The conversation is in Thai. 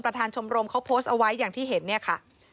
ชมรมเขาโพสต์เอาไว้อย่างที่เห็นเนี่ยค่ะ